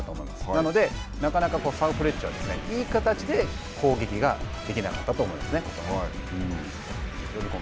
なので、なかなかサンフレッチェは、いい形で攻撃ができなかったと思いますね。